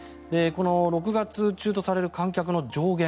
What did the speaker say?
６月中とされる観客の上限